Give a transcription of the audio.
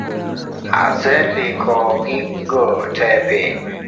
Asendiko gigo tee piny